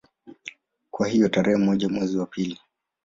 Kwa hiyo tarehe moja mwezi wa pili